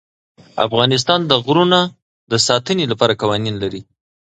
افغانستان د غرونه د ساتنې لپاره قوانین لري.